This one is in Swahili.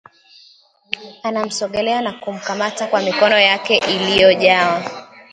anamsogelea na kumkamata kwa mikono yake iliyojawa